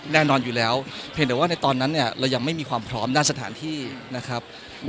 แน่นอนอยู่แล้วเพียงแต่ว่าในตอนนั้นเนี่ยเรายังไม่มีความพร้อมด้านสถานที่นะครับ